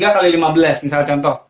tiga x lima belas misalnya contoh